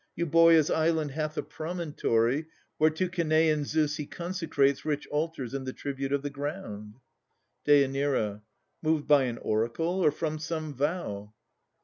Euboea's island hath a promontory, Where to Cenaean Zeus he consecrates Rich altars and the tribute of the ground. DÊ. Moved by an oracle, or from some vow?